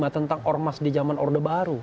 tentang ormas di zaman orde baru